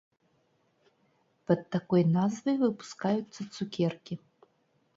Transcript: Пад такой назвай выпускаюцца цукеркі.